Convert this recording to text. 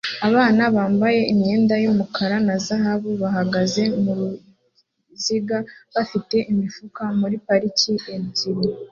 Abagabo bambaye imyenda yumukara na zahabu bahagaze muruziga bafite imifuka muri parike ibyatsi